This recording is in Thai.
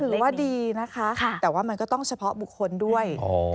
ว่าดีนะคะแต่ว่ามันก็ต้องเฉพาะบุคคลด้วย